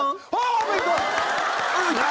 おめでとう！